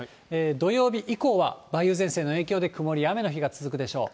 土曜日以降は梅雨前線の影響で曇りや雨の日が続くでしょう。